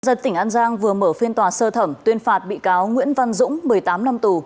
dân tỉnh an giang vừa mở phiên tòa sơ thẩm tuyên phạt bị cáo nguyễn văn dũng một mươi tám năm tù